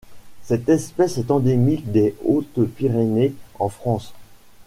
Cette espèce est endémique des Hautes-Pyrénées en France.